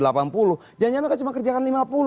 jangan jangan mereka cuma kerjakan lima puluh